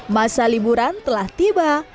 masa liburan telah tiba